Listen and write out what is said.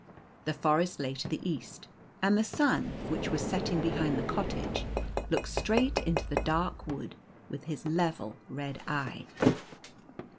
The forest lay to the east, and the sun, which was setting behind the O cottage, looked straight into the dark wood with O ' O his level red eye.